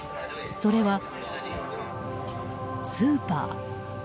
それは、スーパー。